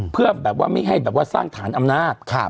เพื่อแบบว่าไม่ให้แบบว่าสร้างฐานอำนาจ